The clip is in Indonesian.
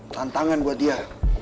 tantangan buat dia